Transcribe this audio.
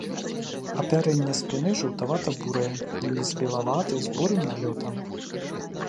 Апярэнне спіны жаўтавата-бурае, ніз белаваты з бурым налётам.